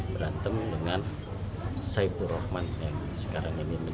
berantem dengan saiful rahman yang sekarang ini menjahat